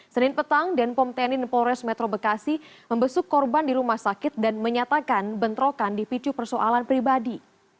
senin petang denpom tni dan polres metro bekasi membesuk korban di rumah sakit dan menyatakan bentrokan dipicu persoalan pribadi